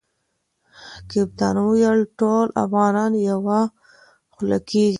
کپتان وویل ټول افغانان یوه خوله کیږي.